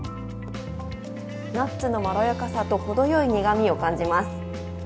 ナッツのまろやかさと、程よい苦みを感じます。